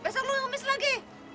besok kamu umis lagi